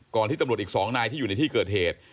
ที่ตำรวจอีก๒นายที่อยู่ในที่เกิดเหตุ